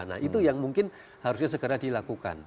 nah itu yang mungkin harusnya segera dilakukan